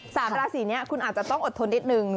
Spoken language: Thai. สามราศีนี้คุณอาจจะต้องอดทนนิดนึง